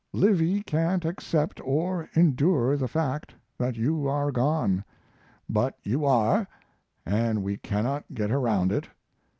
Livy can't accept or endure the fact that you are gone. But you are, and we cannot get around it.